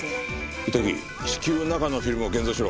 板木至急中のフィルムを現像しろ。